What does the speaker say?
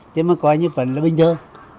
chỉ mà coi như phận là bình thường